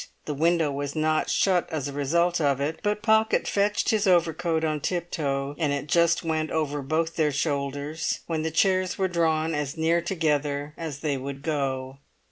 The window was not shut as a result of it, but Pocket fetched his overcoat on tiptoe, and it just went over both their shoulders, when the chairs were drawn as near together as they would go.